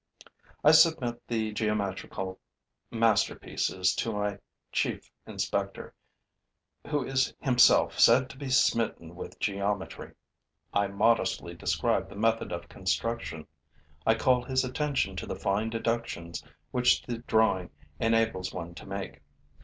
I submit the geometrical masterpieces to my chief inspector, who is himself said to be smitten with geometry. I modestly describe the method of construction, I call his attention to the fine deductions which the drawing enables one to make.